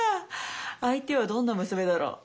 相手はどんな娘だろ？